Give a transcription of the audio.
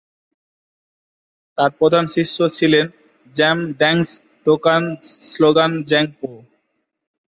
তার প্রধান শিষ্য ছিলেন 'জাম-দ্ব্যাংস-দ্কোন-ম্ছোগ-ব্জাং-পো।